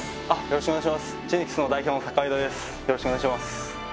よろしくお願いします